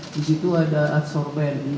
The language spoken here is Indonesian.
di situ ada adsorben